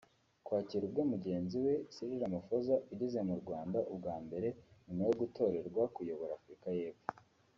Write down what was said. kwakira ubwe mugenzi we Cyril Ramaphosa ugeze mu Rwanda ubwa mbere nyuma yo gutorerwa kuyobora Afurika y’epfo